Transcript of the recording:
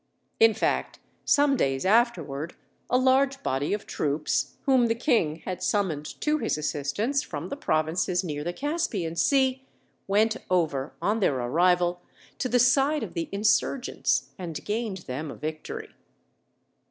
In fact, some days afterward a large body of troops, whom the King had summoned to his assistance from the provinces near the Caspian Sea, went over, on their arrival, to the side of the insurgents and gained them a victory.